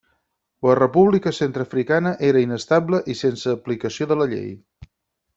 La República Centreafricana era inestable i sense aplicació de la llei.